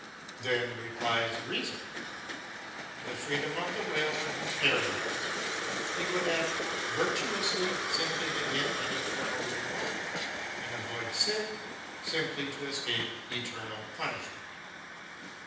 Then replies Reason :" The freedom of the will would be paralysed ; he would act virtuously simply to get an eternal reward, and avoid sin simply to escape eternal punishment."